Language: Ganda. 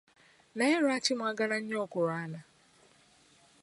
Naye lwaki mwagala nnyo okulwana?